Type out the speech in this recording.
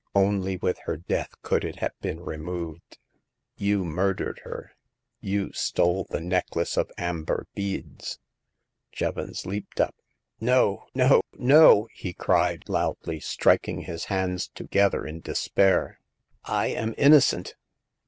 Only with her death could it have been removed. You murdered her ; you stole the necklace of amber beads.'' Jevons leaped up. No, no, no !'* he cried, loudly, striking his hands together in despair. " I am innocent